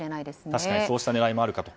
確かにそうした狙いもあるかと。